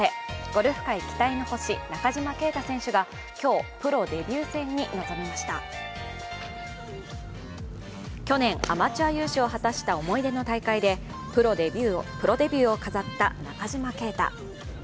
ゴルフ界期待の星、中島啓太選手が今日、プロデビュー戦に臨みました去年、アマチュア優勝を果たした思い出の大会でプロデビューを飾った中島啓太。